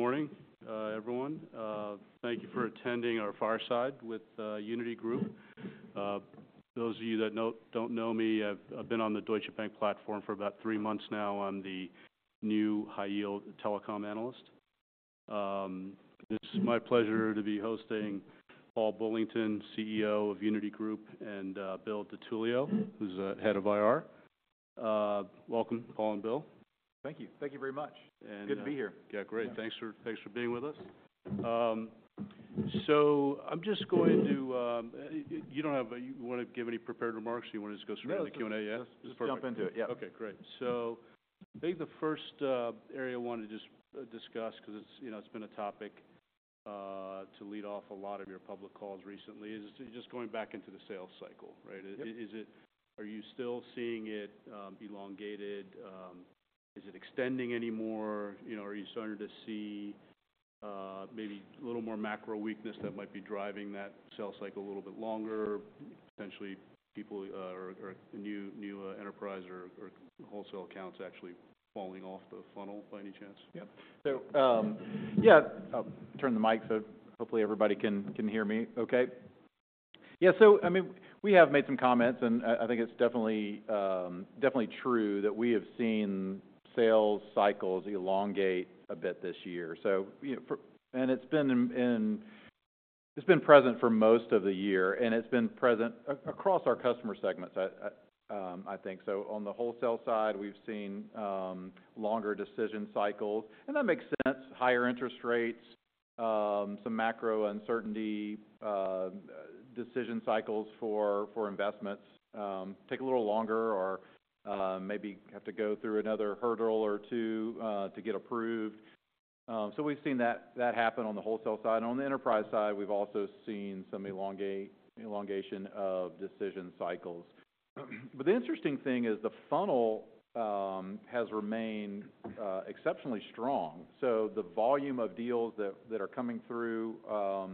Good morning, everyone. Thank you for attending our fireside with Uniti Group. Those of you that don't know me, I've been on the Deutsche Bank platform for about three months now. I'm the new high-yield telecom analyst. It's my pleasure to be hosting Paul Bullington, CEO of Uniti Group, and Bill DiTullio, who's the Head of IR. Welcome, Paul and Bill. Thank you. Thank you very much. And, uh- Good to be here. Yeah, great. Thanks for being with us. So I'm just going to, you don't have a... You wanna give any prepared remarks, or you wanna just go straight to the Q&A? Yeah. Yeah? Let's jump into it. Yeah. Okay, great. So I think the first area I wanted to discuss, 'cause it's, you know, it's been a topic to lead off a lot of your public calls recently, is just going back into the sales cycle, right? Yep. Is it? Are you still seeing it elongated? Is it extending any more? You know, are you starting to see maybe a little more macro weakness that might be driving that sales cycle a little bit longer, potentially people or new enterprise or wholesale accounts actually falling off the funnel by any chance? Yep. So, yeah, I'll turn the mic so hopefully everybody can hear me okay. Yeah, so I mean, we have made some comments, and I think it's definitely, definitely true that we have seen sales cycles elongate a bit this year. So, you know, and it's been present for most of the year, and it's been present across our customer segments, I think. So on the wholesale side, we've seen longer decision cycles, and that makes sense. Higher interest rates, some macro uncertainty, decision cycles for investments take a little longer or maybe have to go through another hurdle or two to get approved. So we've seen that happen on the wholesale side. On the enterprise side, we've also seen some elongation of decision cycles. But the interesting thing is the funnel has remained exceptionally strong. So the volume of deals that are coming through our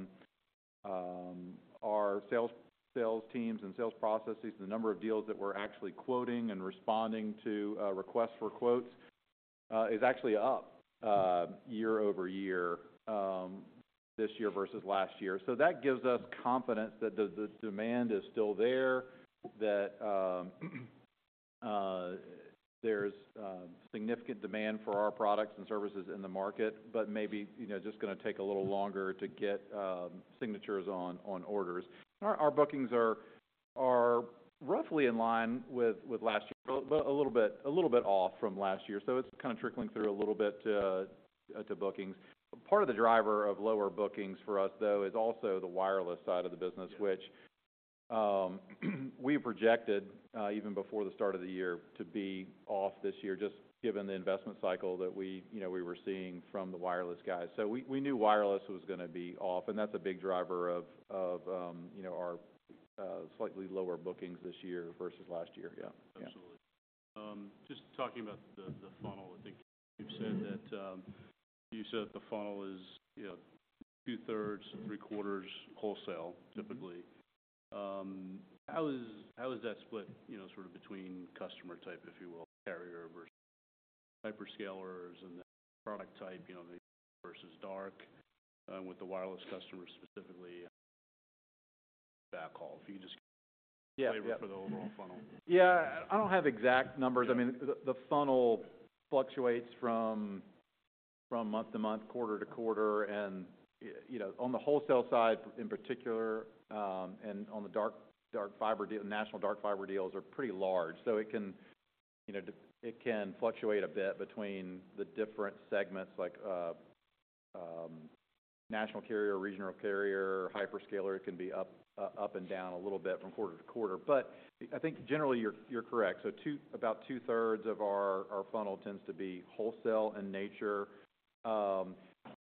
sales teams and sales processes, the number of deals that we're actually quoting and responding to requests for quotes is actually up year over year this year versus last year. So that gives us confidence that the demand is still there, that there's significant demand for our products and services in the market, but maybe, you know, just gonna take a little longer to get signatures on orders. Our bookings are roughly in line with last year, but a little bit off from last year, so it's kind of trickling through a little bit to bookings. Part of the driver of lower bookings for us, though, is also the wireless side of the business- Yeah... which we projected even before the start of the year to be off this year just given the investment cycle that we you know we were seeing from the wireless guys. So we knew wireless was gonna be off and that's a big driver of you know our slightly lower bookings this year versus last year. Yeah. Absolutely. Just talking about the funnel, I think you've said that you said that the funnel is, you know, two-thirds, three-quarters wholesale- Mm-hmm... typically. How is, how is that split, you know, sort of between customer type, if you will, carrier versus hyperscalers and then product type, you know, versus dark, with the wireless customers specifically, backhaul, if you just- Yeah... flavor for the overall funnel? Yeah. I don't have exact numbers. Yeah. I mean, the funnel fluctuates from month to month, quarter to quarter, and you know, on the wholesale side in particular, and on the Dark Fiber deal, national Dark Fiber deals are pretty large. So it can, you know, it can fluctuate a bit between the different segments like national carrier, regional carrier, hyperscaler. It can be up and down a little bit from quarter to quarter. But I think generally, you're correct. So, about two-thirds of our funnel tends to be wholesale in nature.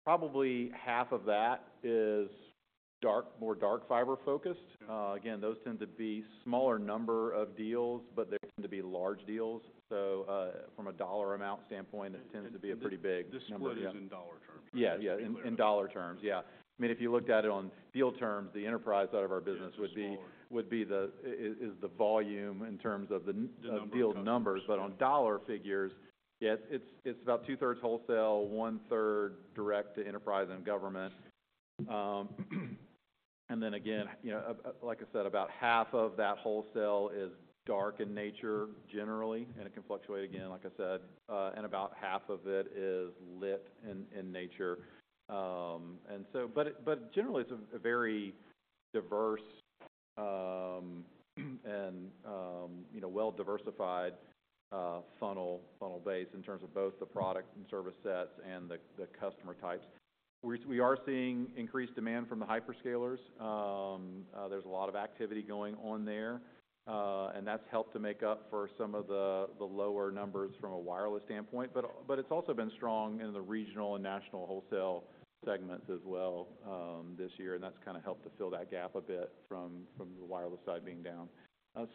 Probably half of that is more Dark Fiber focused. Yeah. Again, those tend to be smaller number of deals, but they tend to be large deals. So, from a dollar amount standpoint, it tends to be a pretty big number- This split is in dollar terms? Yeah, yeah. Just to be clear. In dollar terms, yeah. I mean, if you looked at it on deal terms, the enterprise side of our business- Yeah, it's smaller.... would be the volume in terms of the n- The numbers... deal numbers, but on dollar figures, yes, it's, it's about two-thirds wholesale, one-third direct to enterprise and government. And then again, you know, like I said, about half of that wholesale is dark in nature generally, and it can fluctuate again, like I said, and about half of it is lit in nature. And so but it, but generally, it's a very diverse, and, you know, well-diversified, funnel base in terms of both the product and service sets and the customer types. We are seeing increased demand from the hyperscalers. There's a lot of activity going on there, and that's helped to make up for some of the lower numbers from a wireless standpoint. But it's also been strong in the regional and national wholesale segments as well, this year, and that's kinda helped to fill that gap a bit from the wireless side being down.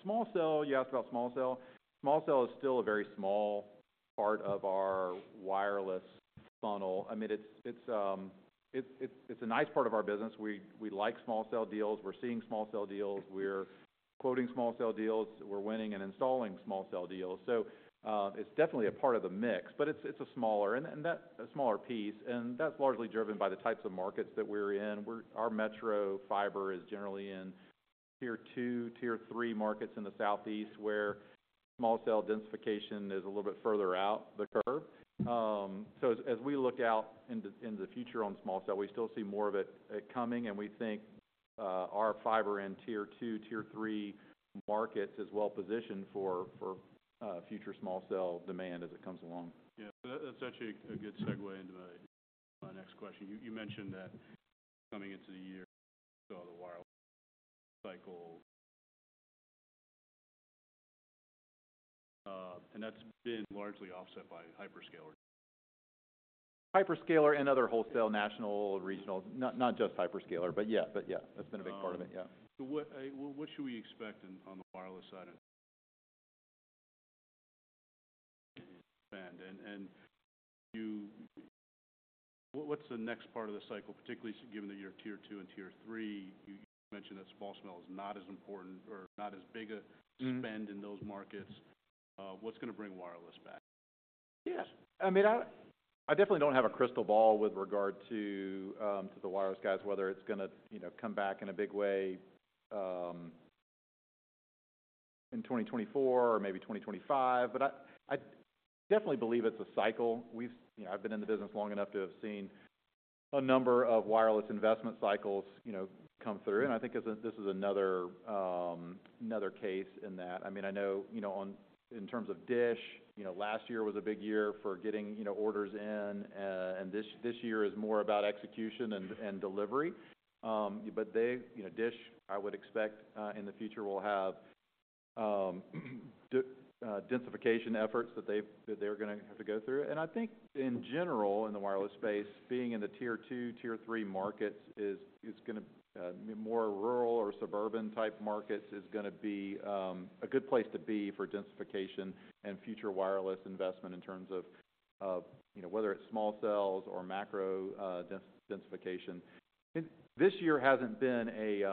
Small Cell, you asked about Small Cell. Small Cell is still a very small part of our wireless funnel. I mean, it's a nice part of our business. We like Small Cell deals. We're seeing Small Cell deals. We're quoting Small Cell deals, we're winning and installing Small Cell deals. So, it's definitely a part of the mix, but it's a smaller piece, and that's largely driven by the types of markets that we're in. Our metro fiber is generally in tier two, tier three markets in the southeast, where small cell densification is a little bit further out the curve. So as we look out into the future on small cell, we still see more of it coming, and we think our fiber in tier two, tier three markets is well positioned for future small cell demand as it comes along. Yeah, that's actually a good segue into my next question. You mentioned that coming into the year, saw the wireless cycle, and that's been largely offset by hyperscaler. Hyperscaler and other wholesale, national, regional. Not, not just hyperscaler, but yeah. But yeah, that's been a big part of it, yeah. So what, what should we expect in, on the wireless side of spend? And you-- what's the next part of the cycle, particularly so given that you're tier two and tier three, you mentioned that small cell is not as important or not as big a- Mm-hmm... spend in those markets. What's gonna bring wireless back? Yes. I mean, I definitely don't have a crystal ball with regard to, to the wireless guys, whether it's gonna, you know, come back in a big way, in 2024 or maybe 2025. But I definitely believe it's a cycle. We've. You know, I've been in the business long enough to have seen a number of wireless investment cycles, you know, come through, and I think this is another case in that. I mean, I know, you know, in terms of DISH, you know, last year was a big year for getting, you know, orders in, and this year is more about execution and delivery. But they, you know, DISH, I would expect, in the future, will have, densification efforts that they're gonna have to go through. And I think in general, in the wireless space, being in the tier two, tier three markets is gonna more rural or suburban type markets, is gonna be a good place to be for densification and future wireless investment in terms of, you know, whether it's small cells or macro, densification. This year hasn't been a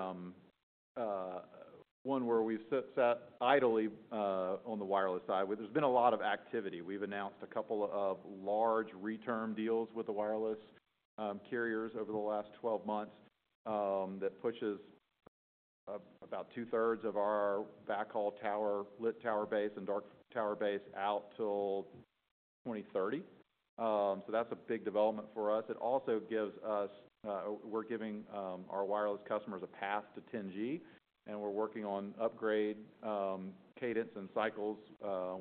one where we've sat idly on the wireless side, where there's been a lot of activity. We've announced a couple of large reterm deals with the wireless carriers over the last 12 months, that pushes about two-thirds of our backhaul tower, Lit tower base and Dark tower base out till 2030. So that's a big development for us. It also gives us. We're giving our wireless customers a path to 10G, and we're working on upgrade cadence and cycles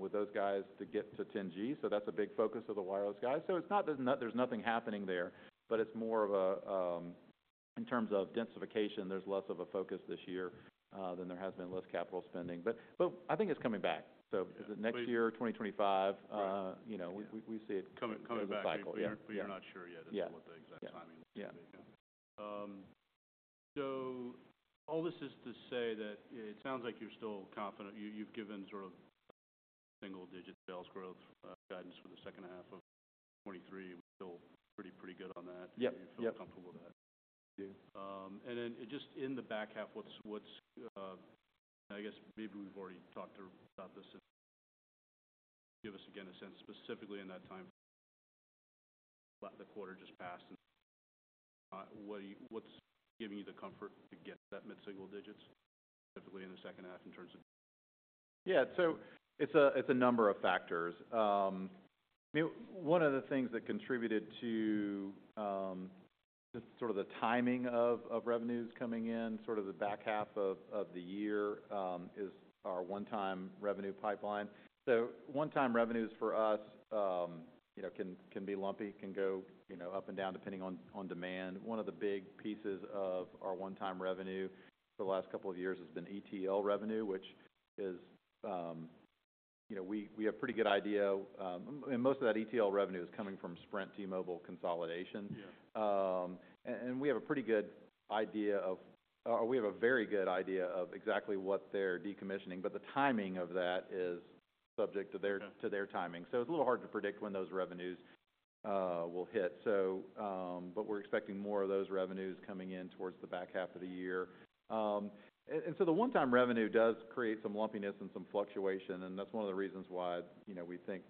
with those guys to get to 10G. So that's a big focus of the wireless guys. So it's not—there's nothing happening there, but it's more of a, in terms of densification, there's less of a focus this year than there has been, less capital spending. But I think it's coming back. Yeah. Next year, 2025, Right... you know, we see it- Coming back... the cycle. Yeah. But you're not sure yet- Yeah... as to what the exact timing is. Yeah. So all this is to say that it sounds like you're still confident. You've given sort of single-digit sales growth guidance for the second half of 2023. You feel pretty, pretty good on that? Yep, yep. You feel comfortable with that? Mm-hmm. And then just in the back half, what's... I guess maybe we've already talked about this. Give us, again, a sense, specifically in that time, the quarter just past, and what's giving you the comfort to get that mid-single digits, specifically in the second half, in terms of- Yeah. So it's a number of factors. I mean, one of the things that contributed to just sort of the timing of revenues coming in, sort of the back half of the year, is our one-time revenue pipeline. So one-time revenues for us, you know, can be lumpy, can go, you know, up and down, depending on demand. One of the big pieces of our one-time revenue for the last couple of years has been ETL revenue, which is, you know, we have pretty good idea... And most of that ETL revenue is coming from Sprint T-Mobile consolidation. Yeah. and we have a pretty good idea of, or we have a very good idea of exactly what they're decommissioning, but the timing of that is subject to their- Yeah... to their timing. So it's a little hard to predict when those revenues will hit. So, but we're expecting more of those revenues coming in towards the back half of the year. And so the one-time revenue does create some lumpiness and some fluctuation, and that's one of the reasons why, you know, we think,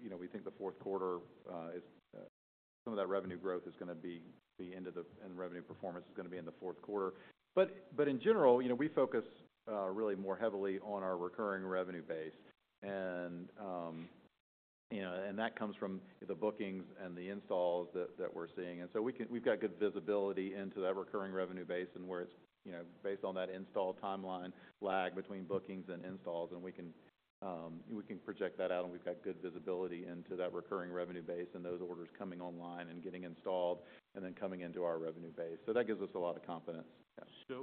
you know, we think the fourth quarter is some of that revenue growth is gonna be the end of the- and revenue performance is gonna be in the fourth quarter. But in general, you know, we focus really more heavily on our recurring revenue base. And, you know, and that comes from the bookings and the installs that we're seeing. So we've got good visibility into that recurring revenue base and where it's, you know, based on that install timeline lag between bookings and installs, and we can project that out, and we've got good visibility into that recurring revenue base and those orders coming online and getting installed, and then coming into our revenue base. So that gives us a lot of confidence. Yeah.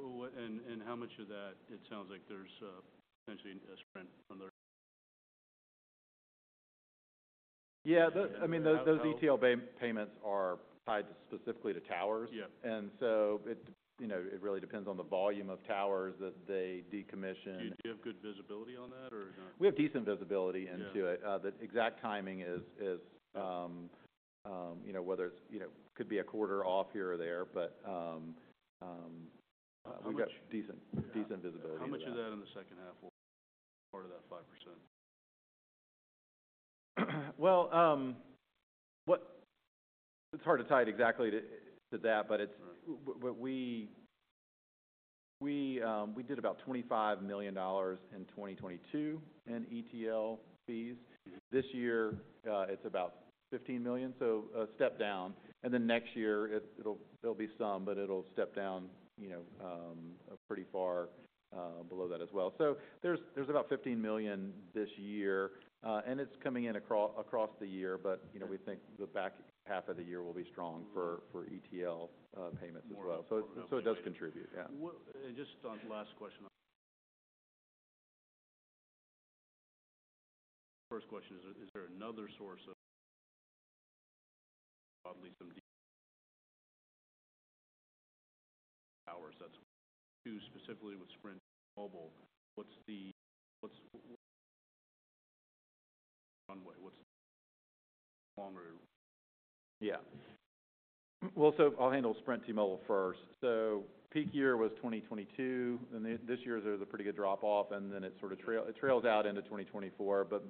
And how much of that? It sounds like there's potentially a Sprint from there. Yeah, I mean, those- How-... those ETL payments are tied specifically to towers. Yeah. And so, you know, it really depends on the volume of towers that they decommission. Do you have good visibility on that or not? We have decent visibility into it. Yeah. The exact timing is, you know, whether it's, you know, could be a quarter off here or there, but we've got decent visibility. How much of that in the second half or part of that 5%? Well, it's hard to tie it exactly to, to that, but it's- Right. What we did about $25 million in 2022 in ETL fees. This year, it's about $15 million, so a step down, and then next year, there'll be some, but it'll step down, you know, pretty far below that as well. So there's about $15 million this year, and it's coming in across the year, but, you know, we think the back half of the year will be strong for ETL payments as well. More so. So it does contribute, yeah. And just on the last question. First question is, is there another source of... Probably some hours that's two, specifically with Sprint and T-Mobile, what's the, what's... runway? What's longer? Yeah. Well, so I'll handle Sprint-T-Mobile first. So peak year was 2022, and this year, there's a pretty good drop-off, and then it sort of trails out into 2024, but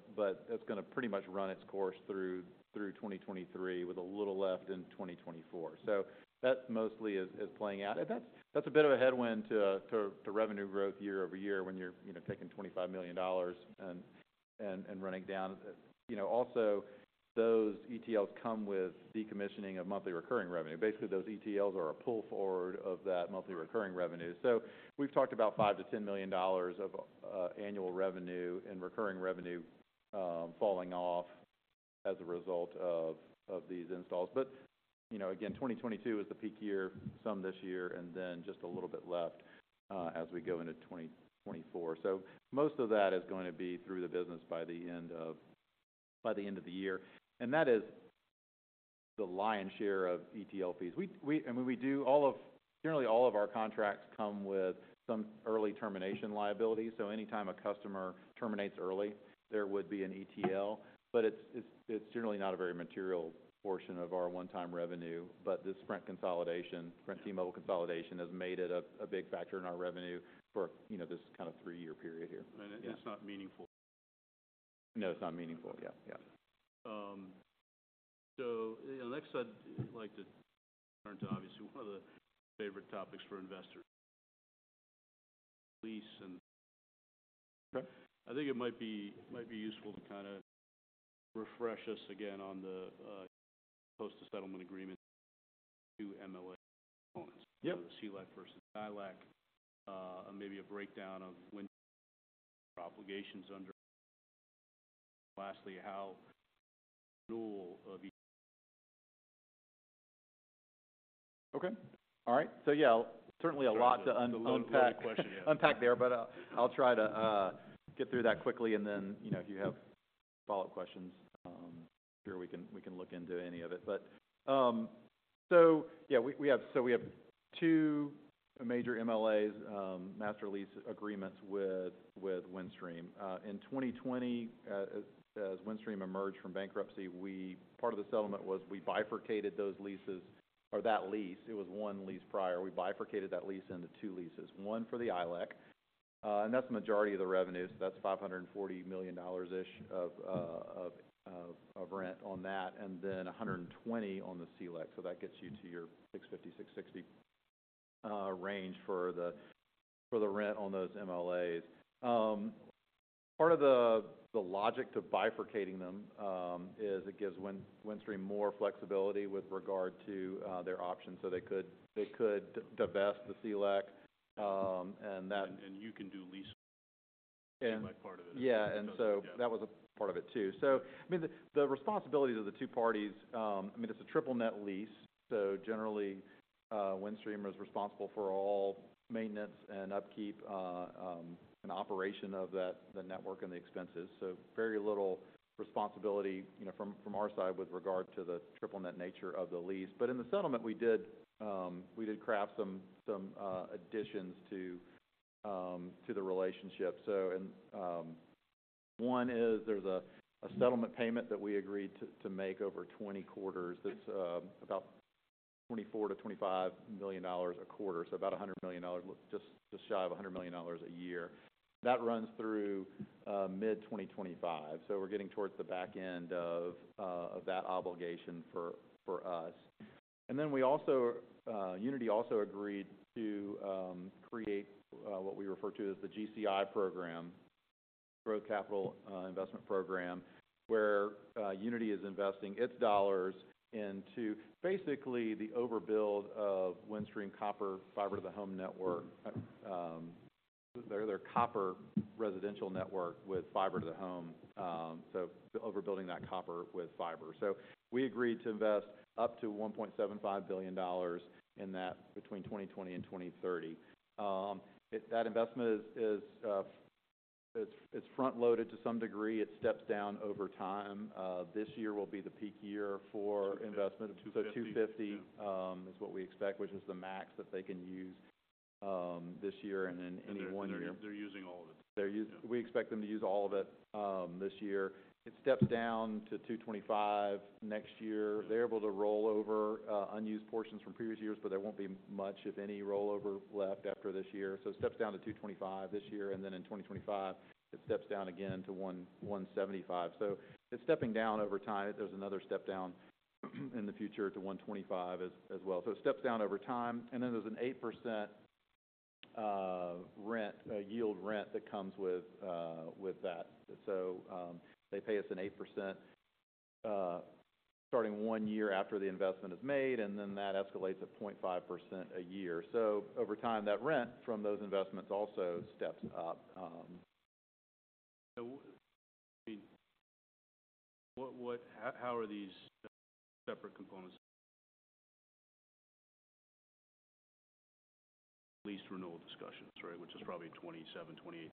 that's gonna pretty much run its course through 2023, with a little left in 2024. So that mostly is playing out. That's a bit of a headwind to revenue growth year-over-year when you're, you know, taking $25 million and running down. You know, also, those ETLs come with decommissioning of monthly recurring revenue. Basically, those ETLs are a pull forward of that monthly recurring revenue. So we've talked about $5 million-$10 million of annual revenue and recurring revenue falling off as a result of these installs. But, you know, again, 2022 is the peak year, some this year, and then just a little bit left as we go into 2024. So most of that is going to be through the business by the end of the year, and that is the lion's share of ETL fees. We and when we do generally all of our contracts come with some early termination liability, so anytime a customer terminates early, there would be an ETL. But it's generally not a very material portion of our one-time revenue. But this Sprint consolidation, Sprint T-Mobile consolidation, has made it a big factor in our revenue for, you know, this kind of three-year period here. It's not meaningful? No, it's not meaningful. Yeah, yeah. So next, I'd like to turn to, obviously, one of the favorite topics for investors. Lease, and I think it might be useful to kind of refresh us again on the post-settlement agreement to MLA components. Yep. CLEC versus ILEC, and maybe a breakdown of when obligations under... Lastly, how much of each. Okay. All right. So yeah, certainly a lot to unpack. Loaded question, yeah. Unpack there, but, I'll try to get through that quickly, and then, you know, if you have follow-up questions, sure, we can, we can look into any of it. But, so yeah, we have-- so we have two major MLAs, master lease agreements with Windstream. In 2020, as Windstream emerged from bankruptcy, we-- part of the settlement was we bifurcated those leases or that lease, it was one lease prior. We bifurcated that lease into two leases, one for the ILEC, and that's the majority of the revenues. So that's $540 million-ish of rent on that, and then $120 million on the CLEC. So that gets you to your $650-$660 range for the rent on those MLAs. Part of the logic to bifurcating them is it gives Windstream more flexibility with regard to their options. So they could divest the CLEC, and that- And you can do lease- And- By part of it. Yeah, and so- Yeah. That was a part of it, too. So, I mean, the responsibilities of the two parties, I mean, it's a Triple Net Lease, so generally, Windstream is responsible for all maintenance and upkeep, and operation of that, the network and the expenses. So very little responsibility, you know, from our side with regard to the Triple Net nature of the lease. But in the settlement, we did craft some additions to the relationship. So and, one is there's a settlement payment that we agreed to make over 20 quarters, that's about $24 million-$25 million a quarter, so about $100 million, just shy of $100 million a year. That runs through mid-2025. So we're getting towards the back end of that obligation for us. And then we also Uniti also agreed to create what we refer to as the GCI program, Growth Capital Investment Program, where Uniti is investing its dollars into basically the overbuild of Windstream copper fiber to the home network, their copper residential network with fiber to the home, so overbuilding that copper with fiber. So we agreed to invest up to $1.75 billion in that between 2020 and 2030. That investment is front-loaded to some degree. It steps down over time. This year will be the peak year for- investment. 250 is what we expect, which is the max that they can use this year, and then in one year- They're using all of it. We expect them to use all of it this year. It steps down to $225 million next year. They're able to roll over unused portions from previous years, but there won't be much, if any, rollover left after this year. So it steps down to $225 million this year, and then in 2025, it steps down again to $175 million. So it's stepping down over time. There's another step down in the future to $125 million as well. So it steps down over time, and then there's an 8% rent, a yield rent that comes with that. So they pay us an 8% starting one year after the investment is made, and then that escalates at 0.5% a year. So over time, that rent from those investments also steps up. So, I mean, what... How are these separate components? Lease renewal discussions, right? Which is probably 2027, 2028.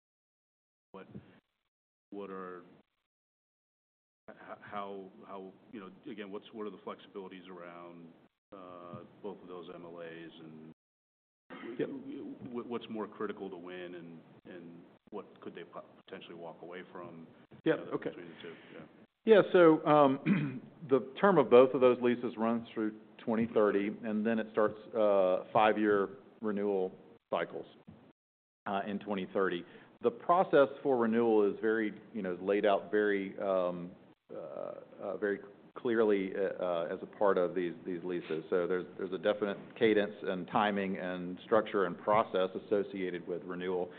What are... How-- You know, again, what are the flexibilities around both of those MLAs, and- Yep. What's more critical to win, and what could they potentially walk away from- Yeah, okay. Between the two? Yeah. Yeah. So, the term of both of those leases runs through 2030, and then it starts five-year renewal cycles in 2030. The process for renewal is very, you know, is laid out very very clearly as a part of these these leases. So there's, there's a definite cadence and timing and structure and process associated with renewal.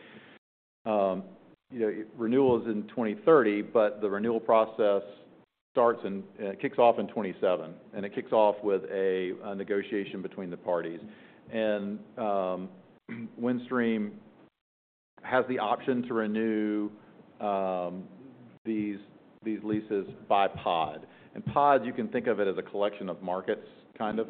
You know, renewal is in 2030, but the renewal process starts in kicks off in 2027, and it kicks off with a negotiation between the parties. And Windstream has the option to renew these these leases by pod. And pod, you can think of it as a collection of markets, kind of.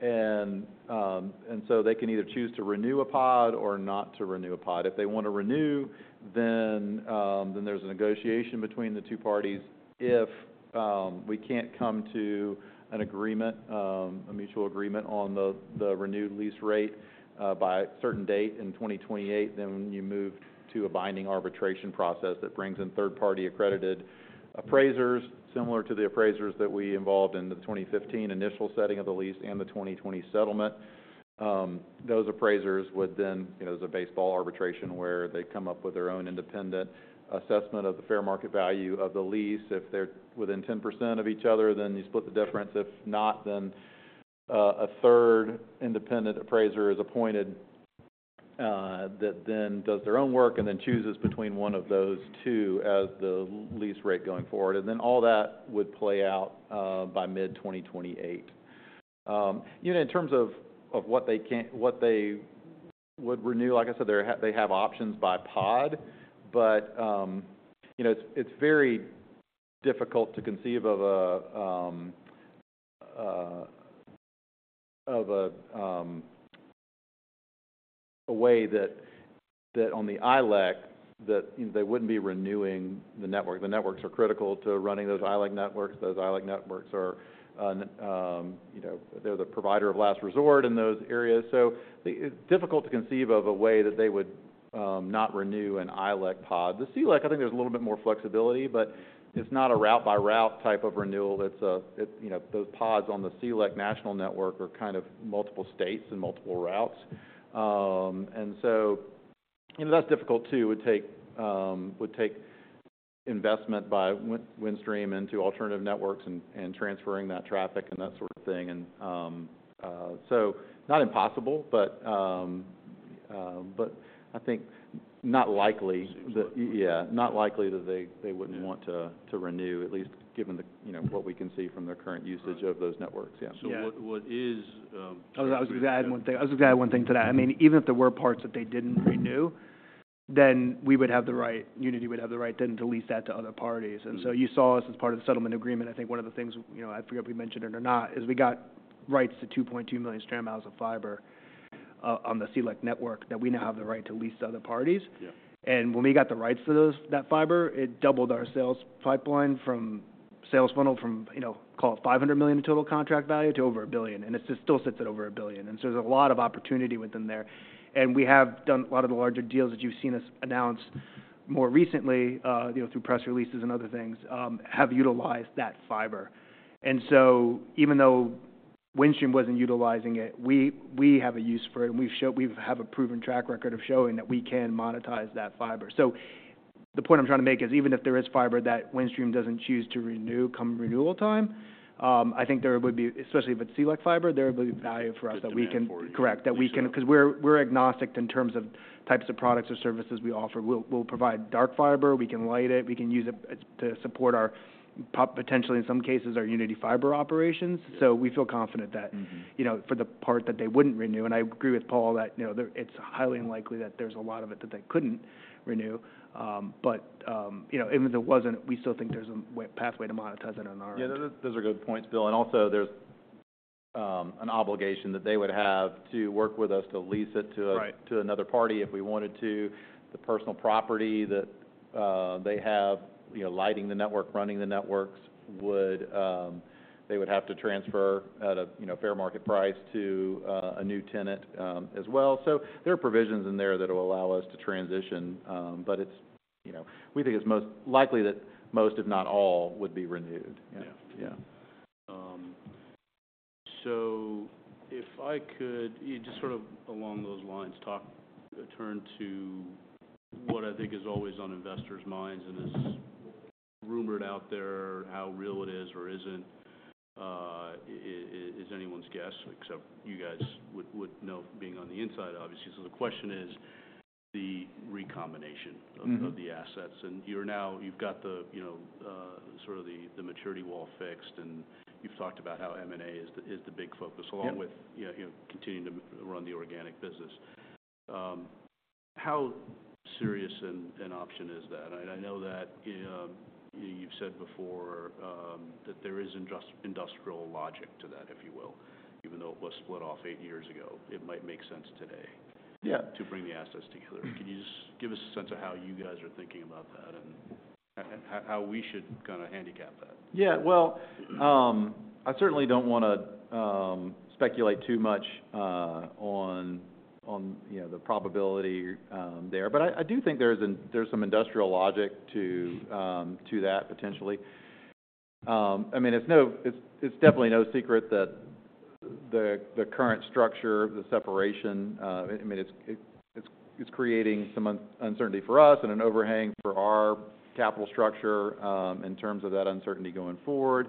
And so they can either choose to renew a pod or not to renew a pod. If they want to renew, then there's a negotiation between the two parties. If we can't come to an agreement, a mutual agreement on the renewed lease rate by a certain date in 2028, then you move to a binding arbitration process that brings in third-party accredited appraisers, similar to the appraisers that we involved in the 2015 initial setting of the lease and the 2020 settlement. Those appraisers would then, you know, as a baseball arbitration, where they come up with their own independent assessment of the fair market value of the lease. If they're within 10% of each other, then you split the difference. If not, then a third independent appraiser is appointed that then does their own work and then chooses between one of those two as the lease rate going forward. And then all that would play out by mid-2028. You know, in terms of what they would renew, like I said, they have options by pod. But you know, it's very difficult to conceive of a way that on the ILEC, that they wouldn't be renewing the network. The networks are critical to running those ILEC networks. Those ILEC networks are, you know, they're the provider of last resort in those areas. So it's difficult to conceive of a way that they would not renew an ILEC pod. The CLEC, I think there's a little bit more flexibility, but it's not a route-by-route type of renewal. It's a... You know, those pods on the CLEC national network are kind of multiple states and multiple routes. So, you know, that's difficult too. It would take investment by Windstream into alternative networks and transferring that traffic and that sort of thing. So not impossible, but I think not likely- Seems like- Yeah, not likely that they- Yeah... wouldn't want to renew, at least given the, you know, what we can see from their current usage of those networks. Yeah. So what is I was just gonna add one thing. I was gonna add one thing to that. I mean, even if there were parts that they didn't renew, then we would have the right, Uniti would have the right, then, to lease that to other parties. Mm-hmm. You saw as part of the settlement agreement, I think one of the things, you know, I forget if we mentioned it or not, is we got rights to 2.2 million strand miles of fiber on the CLEC network that we now have the right to lease to other parties. Yeah. When we got the rights to those, that fiber, it doubled our sales pipeline from, you know, call it $500 million in total contract value to over $1 billion, and it's still sits at over $1 billion. So there's a lot of opportunity within there. And we have done a lot of the larger deals that you've seen us announce more recently, you know, through press releases and other things, have utilized that fiber. So, even though Windstream wasn't utilizing it, we have a use for it, and we've shown we have a proven track record of showing that we can monetize that fiber. So the point I'm trying to make is, even if there is fiber that Windstream doesn't choose to renew come renewal time, I think there would be... Especially if it's CLEC fiber, there would be value for us that we can- Demand for. Correct. That we can- Sure. 'Cause we're agnostic in terms of types of products or services we offer. We'll provide Dark Fiber, we can light it, we can use it to support our potentially, in some cases, our Uniti Fiber operations. Yeah. So we feel confident that- Mm-hmm... you know, for the part that they wouldn't renew, and I agree with Paul that, you know, it's highly unlikely that there's a lot of it that they couldn't renew. But, you know, even if it wasn't, we still think there's a pathway to monetize it on our- Yeah, those are good points, Bill. And also, there's an obligation that they would have to work with us to lease it to a- Right... to another party if we wanted to. The personal property that they have, you know, lighting the network, running the networks, they would have to transfer at a, you know, fair market price to a new tenant, as well. So there are provisions in there that will allow us to transition, but it's... you know, we think it's most likely that most, if not all, would be renewed. Yeah. Yeah. So if I could, just sort of along those lines, turn to what I think is always on investors' minds, and is rumored out there, how real it is or isn't, is anyone's guess, except you guys would know, being on the inside, obviously. So the question is the recombination- Mm-hmm. - of the assets. And you're now, you've got the, you know, sort of the maturity wall fixed, and you've talked about how M&A is the big focus- Yeah... along with, you know, continuing to run the organic business. How serious an option is that? I know that you've said before that there is industrial logic to that, if you will. Even though it was split off eight years ago, it might make sense today- Yeah - to bring the assets together. Can you just give us a sense of how you guys are thinking about that, and how we should kinda handicap that? Yeah, well, I certainly don't wanna speculate too much on you know the probability there. But I do think there's some industrial logic to that potentially. I mean, it's definitely no secret that the current structure, the separation, I mean, it's creating some uncertainty for us and an overhang for our capital structure in terms of that uncertainty going forward.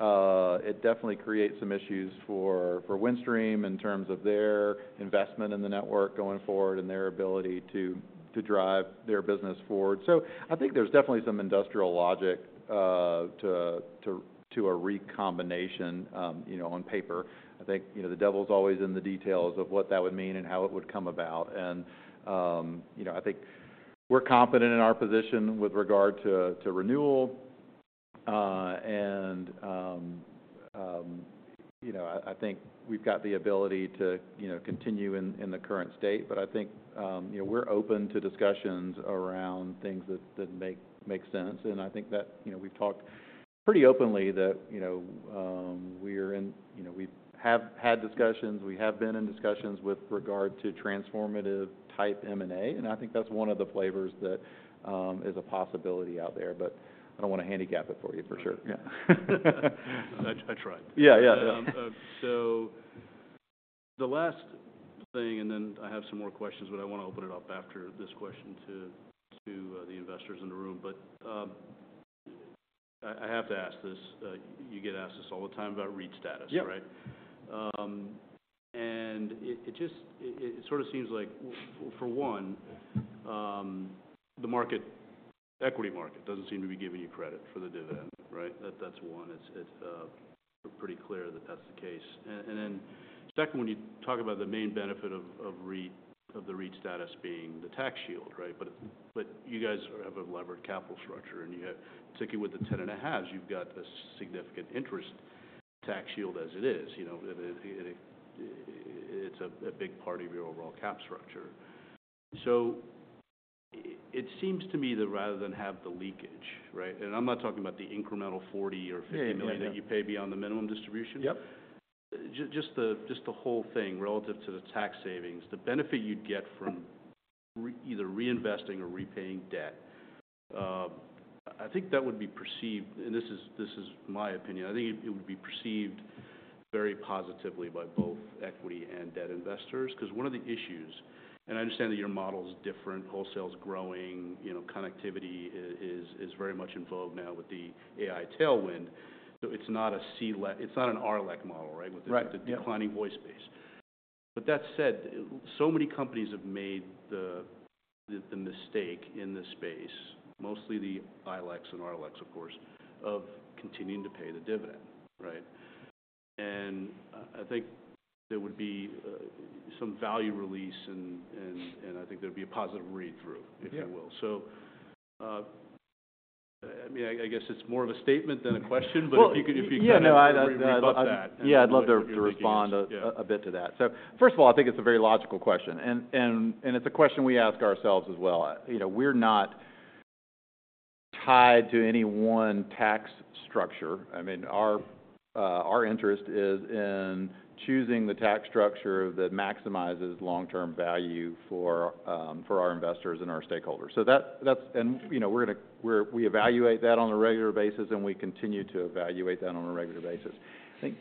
It definitely creates some issues for Windstream in terms of their investment in the network going forward and their ability to drive their business forward. So I think there's definitely some industrial logic to a recombination you know on paper. I think you know the devil's always in the details of what that would mean and how it would come about. And, you know, I think we're confident in our position with regard to renewal. You know, I think we've got the ability to continue in the current state. But I think, you know, we're open to discussions around things that make sense. And I think that, you know, we've talked pretty openly that, you know, we have had discussions, we have been in discussions with regard to transformative type M&A, and I think that's one of the flavors that is a possibility out there. But I don't want to handicap it for you, for sure. Yeah. I tried. Yeah, yeah. So the last thing, and then I have some more questions, but I want to open it up after this question to the investors in the room. But I have to ask this, you get asked this all the time about REIT status- Yeah... right? And it just sort of seems like for one, the equity market doesn't seem to be giving you credit for the dividend, right? That's one. It's pretty clear that that's the case. And then second, when you talk about the main benefit of the REIT status being the tax shield, right? But you guys have a levered capital structure, and you have, particularly with the 10.5s, you've got a significant interest tax shield as it is. You know, it's a big part of your overall cap structure. So it seems to me that rather than have the leakage, right? And I'm not talking about the incremental 40 or 50- Yeah, yeah, I know.... million that you pay beyond the minimum distribution. Yep. Just the whole thing relative to the tax savings, the benefit you'd get from either reinvesting or repaying debt. I think that would be perceived, and this is my opinion, I think it would be perceived very positively by both equity and debt investors. Because one of the issues, and I understand that your model is different, wholesale is growing, you know, connectivity is very much involved now with the AI tailwind. So it's not a CLEC, it's not an ILEC model, right? Right, yeah... with the declining voice base. But that said, so many companies have made the mistake in this space, mostly the ILECs and RLECs, of course, of continuing to pay the dividend, right? And I think there would be some value release, and I think there'd be a positive read-through- Yeah... if you will. So, I mean, I guess it's more of a statement than a question- Well- But if you could. Yeah, no, I'd- Rebut that. Yeah, I'd love to respond- Yeah ...a bit to that. So first of all, I think it's a very logical question, and it's a question we ask ourselves as well. You know, we're not tied to any one tax structure. I mean, our interest is in choosing the tax structure that maximizes long-term value for our investors and our stakeholders. So that's, and you know, we evaluate that on a regular basis, and we continue to evaluate that on a regular basis. I think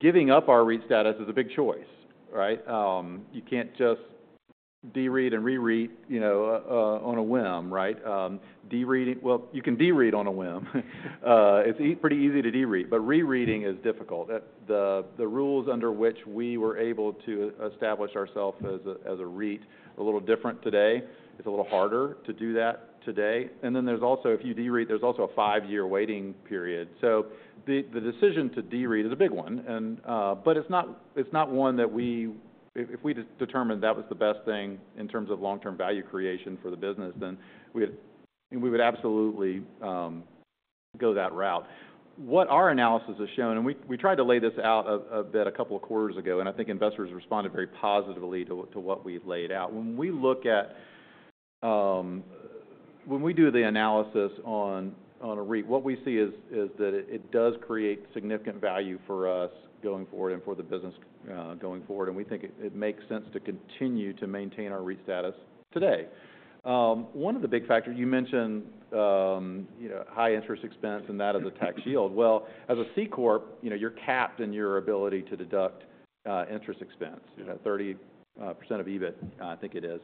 giving up our REIT status is a big choice, right? You can't just de-REIT and re-REIT, you know, on a whim, right? De-REITing... Well, you can de-REIT on a whim. It's pretty easy to de-REIT, but REITing is difficult. At the rules under which we were able to establish ourselves as a REIT are a little different today. It's a little harder to do that today. And then there's also... if you de-REIT, there's also a five-year waiting period. So the decision to de-REIT is a big one, and but it's not one that we, if we determined that was the best thing in terms of long-term value creation for the business, then we would absolutely go that route. What our analysis has shown, and we tried to lay this out a bit, a couple of quarters ago, and I think investors responded very positively to what we've laid out. When we look at... When we do the analysis on a REIT, what we see is that it does create significant value for us going forward and for the business, going forward, and we think it makes sense to continue to maintain our REIT status today. One of the big factors you mentioned, you know, high interest expense and that of the tax shield. Well, as a C corp, you know, you're capped in your ability to deduct interest expense. Yeah. You know, 30% of EBIT, I think it is.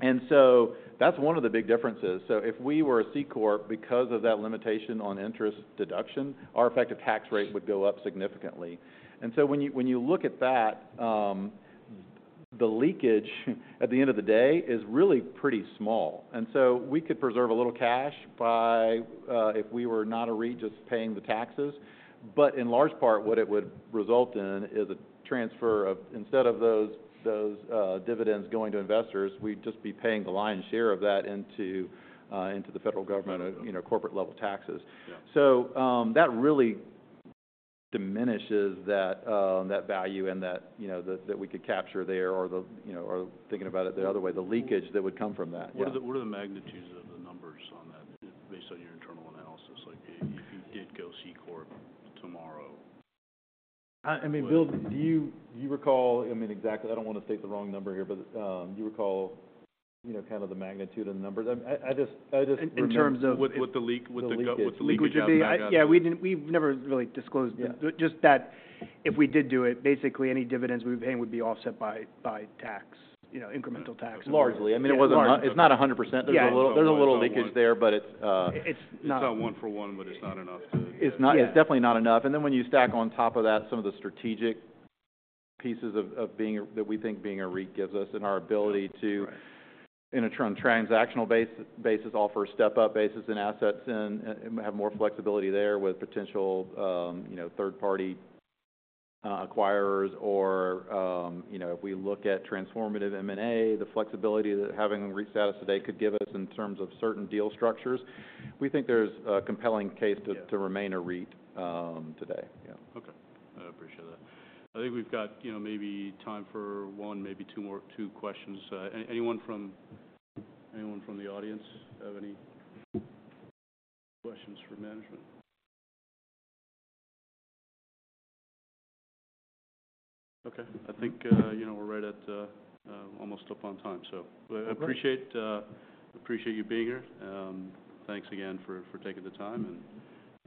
And so that's one of the big differences. So if we were a C corp, because of that limitation on interest deduction, our effective tax rate would go up significantly. And so when you, when you look at that, the leakage, at the end of the day, is really pretty small. And so we could preserve a little cash by if we were not a REIT, just paying the taxes. But in large part, what it would result in is a transfer of, instead of those, those, dividends going to investors, we'd just be paying the lion's share of that into, into the federal government- Right... you know, corporate-level taxes. Yeah. So, that really diminishes that value and that, you know, that we could capture there, or, you know, or thinking about it the other way, the leakage that would come from that. What are the magnitudes of the numbers on that, based on your internal analysis? Like, if you did go C corp tomorrow- I mean, Bill, do you recall? I mean, exactly. I don't wanna state the wrong number here, but do you recall, you know, kind of the magnitude of the numbers? I just- In terms of- With the leak The leakage. With the leakage gap back up. Yeah, we've never really disclosed it. Yeah. Just that if we did do it, basically, any dividends we were paying would be offset by tax, you know, incremental tax. b. Largely. I mean, it wasn't, it's not 100%. Yeah. There's a little, there's a little leakage there, but it's, it's not- It's not one for one, but it's not enough to- It's not- Yeah. It's definitely not enough. And then, when you stack on top of that, some of the strategic pieces of, of being... that we think being a REIT gives us, and our ability to- Right... in a transactional basis, offer a step-up basis in assets and, and have more flexibility there with potential, you know, third-party acquirers. Or, you know, if we look at transformative M&A, the flexibility that having a REIT status today could give us in terms of certain deal structures, we think there's a compelling case- Yeah... to remain a REIT, today. Yeah. Okay. I appreciate that. I think we've got, you know, maybe time for one, maybe two more, two questions. Anyone from the audience have any questions for management? Okay, I think, you know, we're right at the, almost upon time. So- Great... appreciate you being here. Thanks again for taking the time,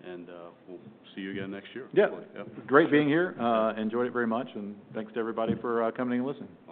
and we'll see you again next year. Yeah. Yeah. Great being here. Enjoyed it very much, and thanks to everybody for coming and listening.